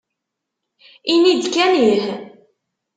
Ini-d kan ih!